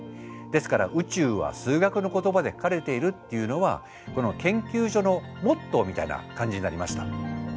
ですから「宇宙は数学の言葉で書かれている」っていうのはこの研究所のモットーみたいな感じになりました。